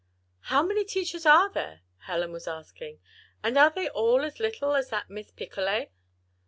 "How many teachers are there?" Helen was asking. "And are they all as little as that Miss Picolet?"